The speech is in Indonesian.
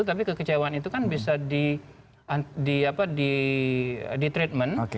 tapi kekecewaan itu kan bisa ditreatment